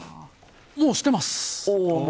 もうしてます。